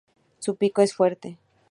Su pico es fuerte.